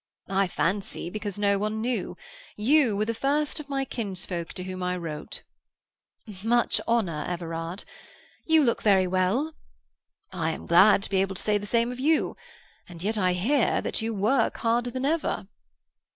"I fancy because no one knew. You were the first of my kinsfolk to whom I wrote." "Much honour, Everard. You look very well." "I am glad to be able to say the same of you. And yet I hear that you work harder than ever."